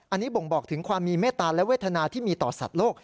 อันนี้บ่งบอกถึงความมีเมตตาและเวทนาที่มีต่อสัตว์โลก